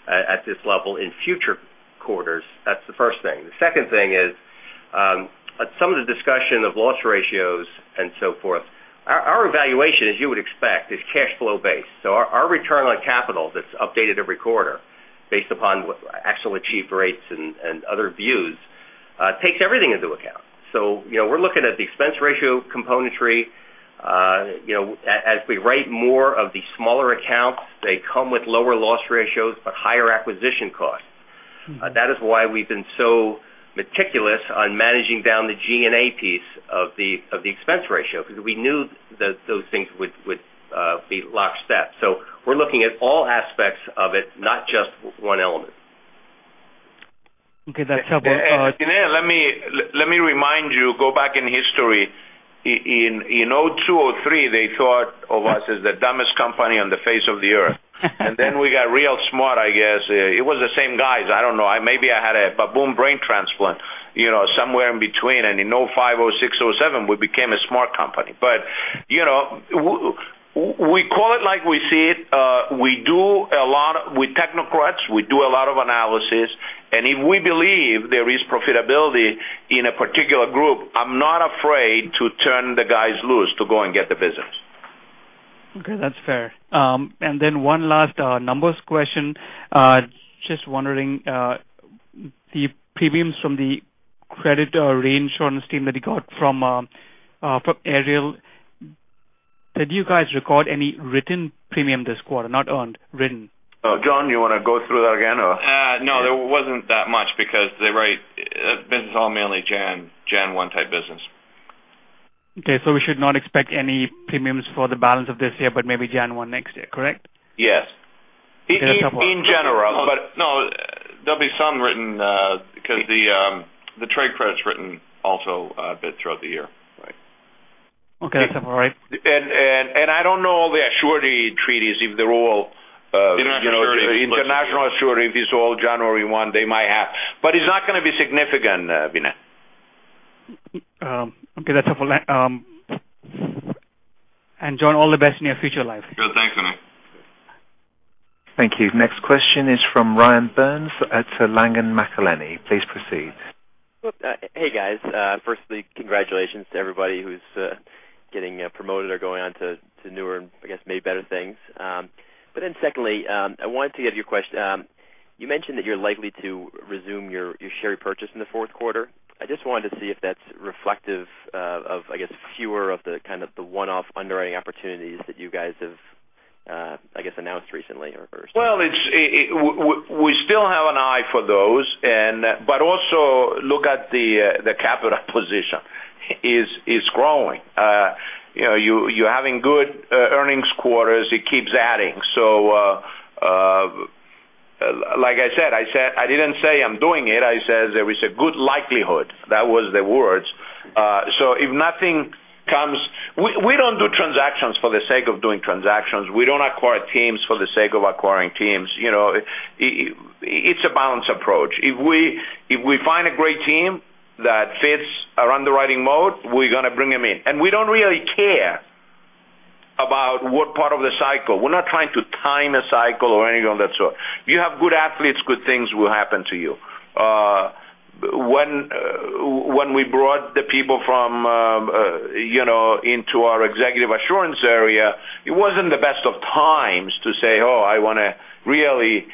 at this level in future quarters. That's the first thing. The second thing is, some of the discussion of loss ratios and so forth, our evaluation, as you would expect, is cash flow based. Our return on capital that's updated every quarter based upon what actual achieved rates and other views takes everything into account. We're looking at the expense ratio componentry. As we write more of the smaller accounts, they come with lower loss ratios, higher acquisition costs. That is why we've been so meticulous on managing down the G&A piece of the expense ratio because we knew that those things would be lockstep. We're looking at all aspects of it, not just one element. Okay. That's helpful. Vinay, let me remind you, go back in history. In 2002, 2003, they thought of us as the dumbest company on the face of the earth. Then we got real smart, I guess. It was the same guys. I don't know. Maybe I had a baboon brain transplant somewhere in between, in 2005, 2006, 2007, we became a smart company. We call it like we see it. We're technocrats. We do a lot of analysis, and if we believe there is profitability in a particular group, I'm not afraid to turn the guys loose to go and get the business. Okay. That's fair. Then one last numbers question. Just wondering, the premiums from the credit reinsurance team that you got from Ariel Re, did you guys record any written premium this quarter? Not earned, written. John, you want to go through that again or? No, there wasn't that much because they write business all mainly January 1 type business. Okay, we should not expect any premiums for the balance of this year, but maybe January next year, correct? Yes. Okay, that's helpful. In general. No, there'll be some written because the trade credit's written also a bit throughout the year. Okay. That's all right. I don't know all the surety treaties, if they're all International surety international surety, if it's all January 1, they might have. It's not going to be significant, Vinay. Okay, that's helpful. John, all the best in your future life. Good. Thanks, Vinay. Thank you. Next question is from Ryan Burns at Langen McAlenney. Please proceed. Hey, guys. Firstly, congratulations to everybody who's getting promoted or going on to newer and I guess maybe better things. Secondly, I wanted to give you a question. You mentioned that you're likely to resume your share repurchase in the fourth quarter. I just wanted to see if that's reflective of, I guess, fewer of the one-off underwriting opportunities that you guys have, I guess, announced recently. Well, we still have an eye for those. Also look at the capital position. It's growing. You're having good earnings quarters. It keeps adding. Like I said, I didn't say I'm doing it. I said there is a good likelihood. That was the words. If nothing comes, we don't do transactions for the sake of doing transactions. We don't acquire teams for the sake of acquiring teams. It's a balanced approach. If we find a great team that fits our underwriting mode, we're going to bring them in. We don't really care about what part of the cycle. We're not trying to time a cycle or anything of that sort. If you have good athletes, good things will happen to you. When we brought the people into our Executive Assurance area, it wasn't the best of times to say, "Oh, I want to really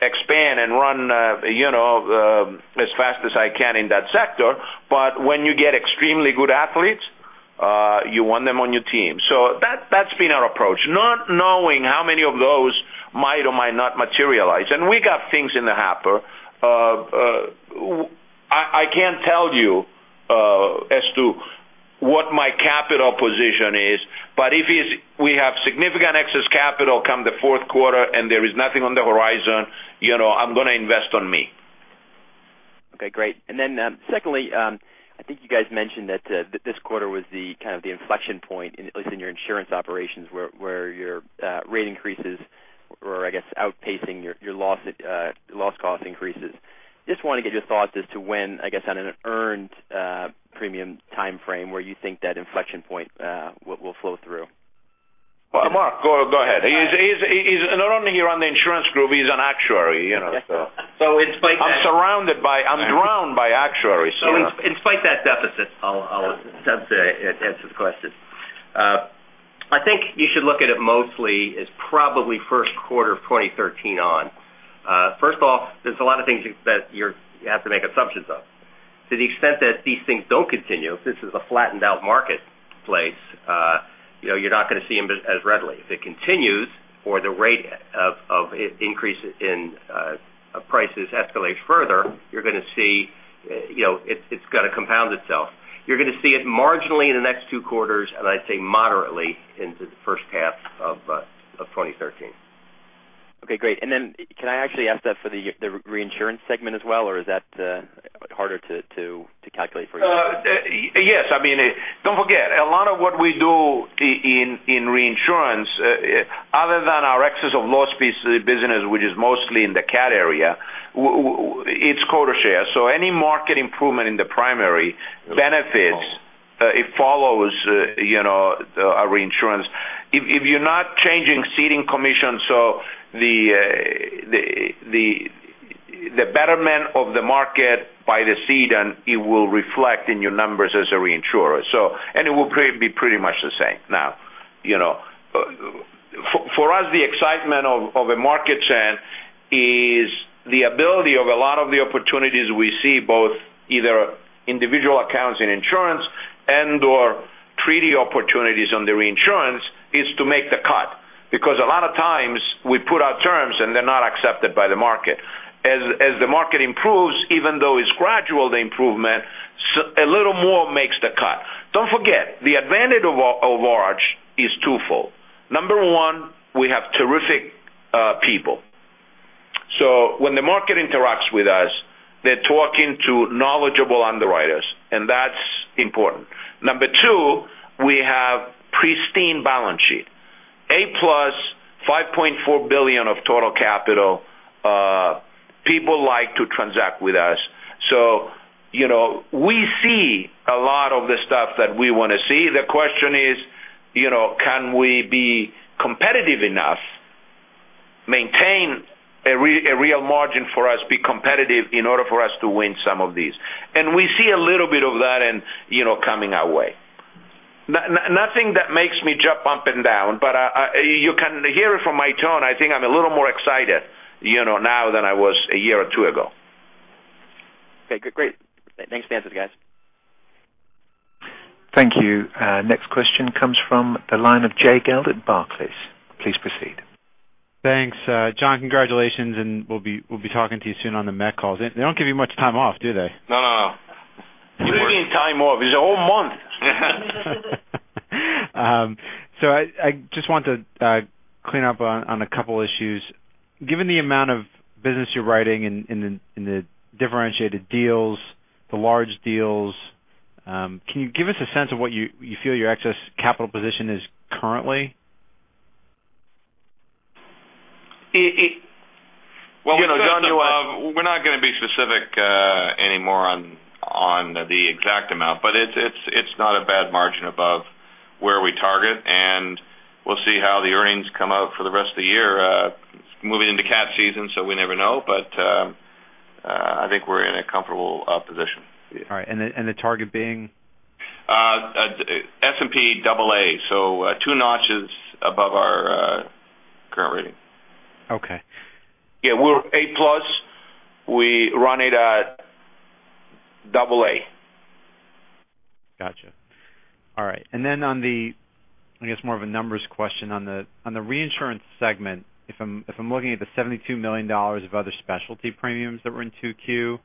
expand and run as fast as I can in that sector." When you get extremely good athletes, you want them on your team. That's been our approach, not knowing how many of those might or might not materialize. We got things in the hopper. I can't tell you as to what my capital position is, but if we have significant excess capital come the fourth quarter and there is nothing on the horizon, I'm going to invest on me. Okay, great. Secondly, I think you guys mentioned that this quarter was the kind of the inflection point in your insurance operations where your rate increases were, I guess, outpacing your loss cost increases. Just want to get your thoughts as to when, I guess, on an earned premium timeframe where you think that inflection point will flow through. Mark, go ahead. He's not only here on the insurance group, he's an actuary. Okay. in spite that I'm surrounded by, I'm drowned by actuaries. in spite that deficit, I'll attempt to answer the question. I think you should look at it mostly as probably first quarter of 2013 on. First of all, there's a lot of things that you have to make assumptions of. To the extent that these things don't continue, if this is a flattened out marketplace, you're not going to see them as readily. If it continues or the rate of increase in prices escalates further, it's going to compound itself. You're going to see it marginally in the next two quarters, and I'd say moderately into the first half of 2013. Okay, great. Then can I actually ask that for the reinsurance segment as well or is that harder to calculate for you? Yes. Don't forget, a lot of what we do in reinsurance, other than our excess of loss business, which is mostly in the cat area, it's quota share. Any market improvement in the primary benefits, it follows our reinsurance. If you're not changing ceding commission, so the betterment of the market by the cedant, it will reflect in your numbers as a reinsurer. It will be pretty much the same now. For us, the excitement of a market turn is the ability of a lot of the opportunities we see both either individual accounts in insurance and/or treaty opportunities on the reinsurance is to make the cut. A lot of times we put out terms and they're not accepted by the market. As the market improves, even though it's gradual, the improvement, a little more makes the cut. Don't forget, the advantage of Arch is twofold. Number one, we have terrific people. When the market interacts with us, they're talking to knowledgeable underwriters, and that's important. Number two, we have pristine balance sheet. A plus $5.4 billion of total capital. People like to transact with us. We see a lot of the stuff that we want to see. The question is, can we be competitive enough, maintain a real margin for us, be competitive in order for us to win some of these? We see a little bit of that coming our way. Nothing that makes me jump up and down, but you can hear it from my tone, I think I'm a little more excited now than I was a year or two ago. Okay, great. Thanks for the answers, guys. Thank you. Next question comes from the line of Jay Gelb at Barclays. Please proceed. Thanks. John, congratulations. We'll be talking to you soon on the MET calls. They don't give you much time off, do they? No. You're getting time off. It's a whole month. I just want to clean up on a couple issues. Given the amount of business you're writing in the differentiated deals, the large deals, can you give us a sense of what you feel your excess capital position is currently? Well, we're not going to be specific anymore on the exact amount. It's not a bad margin above where we target. We'll see how the earnings come out for the rest of the year. Moving into cat season, we never know. I think we're in a comfortable position. All right. The target being? S&P AA, two notches above our current rating. Okay. Yeah, we're A+. We run it at AA. Got you. All right. On the, I guess, more of a numbers question on the reinsurance segment. If I'm looking at the $72 million of other specialty premiums that were in Q2,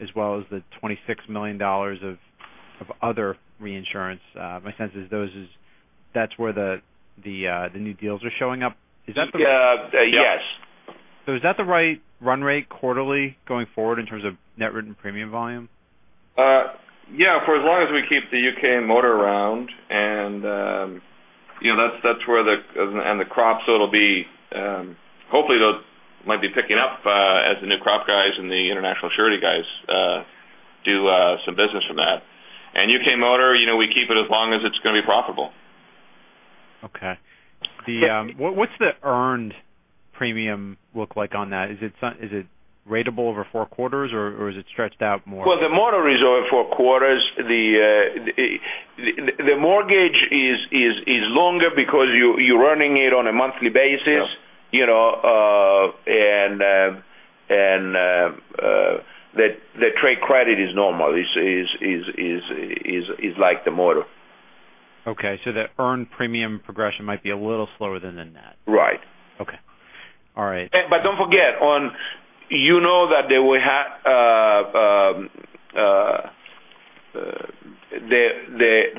as well as the $26 million of other reinsurance, my sense is that's where the new deals are showing up. Is that? Yes. Is that the right run rate quarterly going forward in terms of net written premium volume? Yeah, for as long as we keep the U.K. and motor around, and the crop. Hopefully, those might be picking up as the new crop guys and the international surety guys do some business from that. U.K. motor, we keep it as long as it's going to be profitable. What's the earned premium look like on that? Is it ratable over four quarters, or is it stretched out more? The motor is over four quarters. The mortgage is longer because you're earning it on a monthly basis. Yeah. The trade credit is normal, is like the motor. Okay. The earned premium progression might be a little slower than the net. Right. Okay. All right. Don't forget, you know that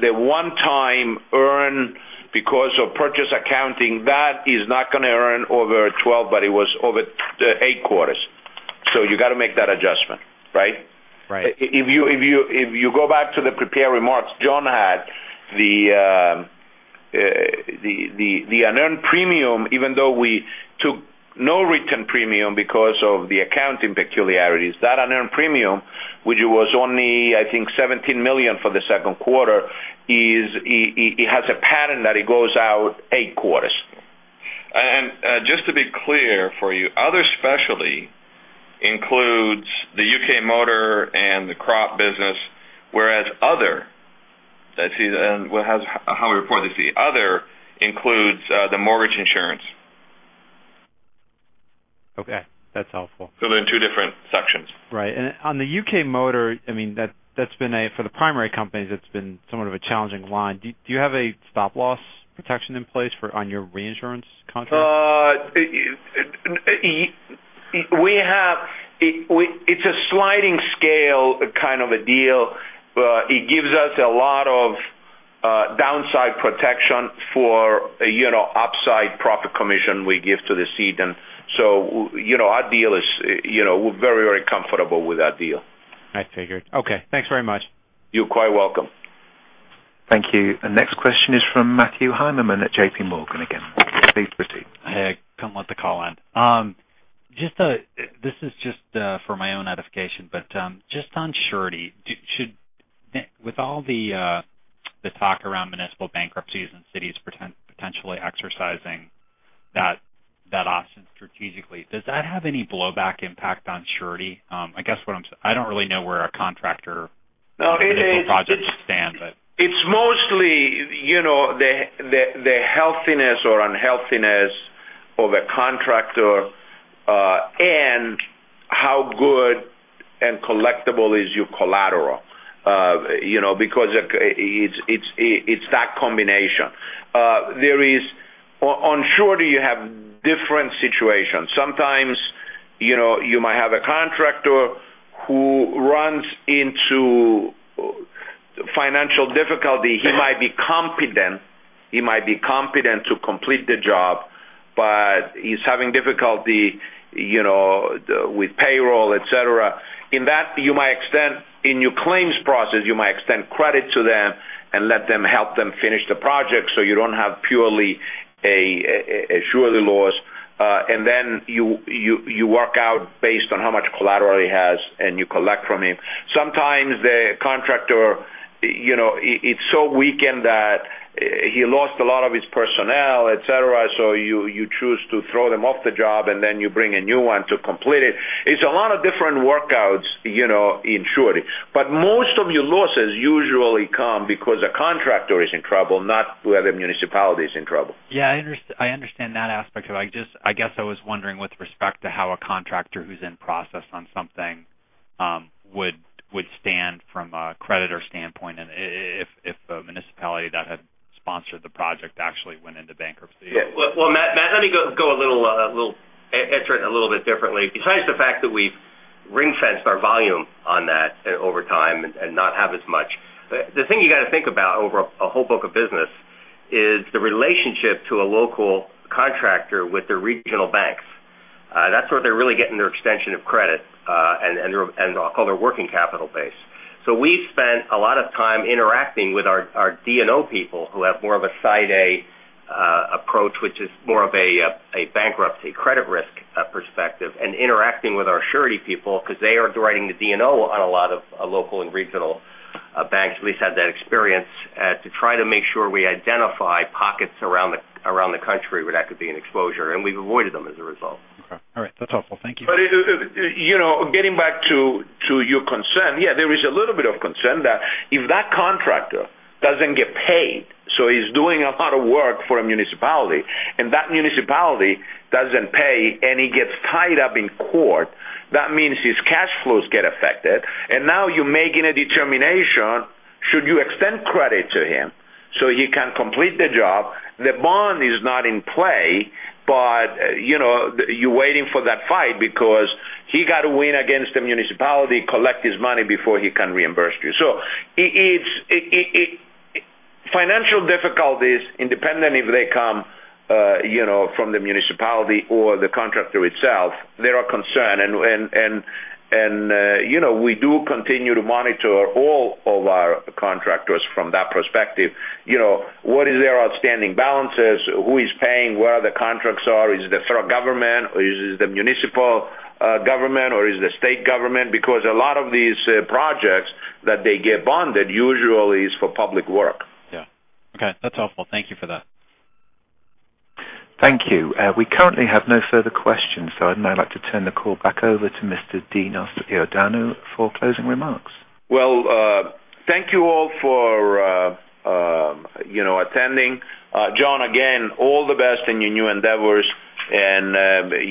the one-time earn because of purchase accounting, that is not going to earn over 12, but it was over eight quarters. You got to make that adjustment. Right? Right. If you go back to the prepared remarks John had, the unearned premium, even though we took no written premium because of the accounting peculiarities, that unearned premium, which was only, I think, $17 million for the second quarter, it has a pattern that it goes out eight quarters. Just to be clear for you, other specialty includes the U.K. motor and the crop business, whereas other, how we report this, the other includes the mortgage insurance. Okay. That's helpful. They're in two different sections. Right. On the U.K. motor, for the primary companies, that's been somewhat of a challenging line. Do you have a stop-loss protection in place on your reinsurance contract? It's a sliding scale kind of a deal, it gives us a lot of downside protection for upside profit commission we give to the ceding. We're very comfortable with that deal. I figured. Okay. Thanks very much. You're quite welcome. Thank you. The next question is from Matthew Heimermann at J.P. Morgan again. Please proceed. Hey, couldn't let the call end. This is just for my own edification, but just on surety, with all the talk around municipal bankruptcies and cities potentially exercising that option strategically, does that have any blowback impact on surety? I don't really know where a contractor- No. -municipal projects stand, but. It's mostly the healthiness or unhealthiness of a contractor and how good and collectible is your collateral because it's that combination. On surety, you have different situations. Sometimes you might have a contractor who runs into financial difficulty. He might be competent to complete the job, but he's having difficulty with payroll, et cetera. In your claims process, you might extend credit to them and let them help them finish the project, so you don't have purely a surety loss. Then you work out based on how much collateral he has, and you collect from him. Sometimes the contractor, it's so weakened that he lost a lot of his personnel, et cetera, so you choose to throw them off the job, and then you bring a new one to complete it. It's a lot of different workouts in surety. most of your losses usually come because a contractor is in trouble, not where the municipality is in trouble. I understand that aspect of it. I guess I was wondering with respect to how a contractor who's in process on something would stand from a creditor standpoint if a municipality that had sponsored the project actually went into bankruptcy. Matt, let me answer it a little bit differently. Besides the fact that we've ring-fenced our volume on that over time and not have as much, the thing you got to think about over a whole book of business is the relationship to a local contractor with the regional banks. That's where they're really getting their extension of credit, and I'll call their working capital base. We've spent a lot of time interacting with our D&O people who have more of a Side A approach, which is more of a bankruptcy credit risk perspective, and interacting with our surety people because they are underwriting the D&O on a lot of local and regional banks, at least had that experience, to try to make sure we identify pockets around the country where that could be an exposure, and we've avoided them as a result. Okay. All right. That's helpful. Thank you. Getting back to your concern, yeah, there is a little bit of concern that if that contractor doesn't get paid, so he's doing a lot of work for a municipality, and that municipality doesn't pay, and he gets tied up in court, that means his cash flows get affected. Now you're making a determination, should you extend credit to him so he can complete the job? The bond is not in play, but you're waiting for that fight because he got to win against the municipality, collect his money before he can reimburse you. Financial difficulties, independent if they come from the municipality or the contractor itself, they are a concern. We do continue to monitor all of our contractors from that perspective. What is their outstanding balances? Who is paying? Where the contracts are? Is it the federal government or is it the municipal government or is it the state government? A lot of these projects that they get bonded usually is for public work. Yeah. Okay. That's helpful. Thank you for that. Thank you. We currently have no further questions, so I'd now like to turn the call back over to Mr. Dinos Iordanou for closing remarks. Well, thank you all for attending. John, again, all the best in your new endeavors, and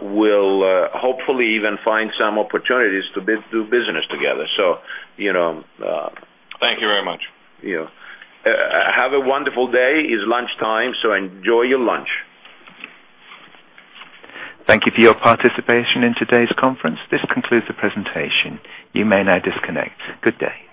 we'll hopefully even find some opportunities to do business together. Thank you very much. Yeah. Have a wonderful day. It's lunchtime, so enjoy your lunch. Thank you for your participation in today's conference. This concludes the presentation. You may now disconnect. Good day.